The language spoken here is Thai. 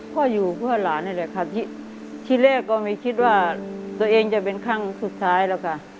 ก็อยู่เพื่อหลานนี่แหละค่ะที่แรกก็ไม่คิดว่าตัวเองจะเป็นครั้งสุดท้ายแล้วค่ะ